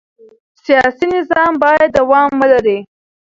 سیاسي نظام باید دوام ولري